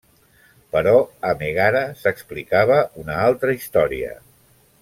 Però a Mègara s'explicava una altra història.